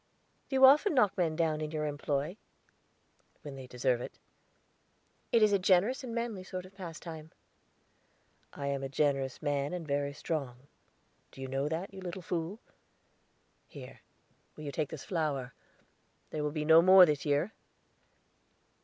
"Do you often knock men down in your employ?" "When they deserve it." "It is a generous and manly sort of pastime." "I am a generous man and very strong; do you know that, you little fool? Here, will you take this flower? There will be no more this year."